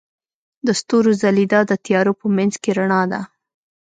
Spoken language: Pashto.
د ستورو ځلیدا د تیارو په منځ کې رڼا ده.